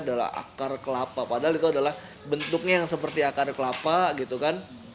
adalah akar kelapa padahal itu adalah bentuknya yang seperti akar kelapa gitu kan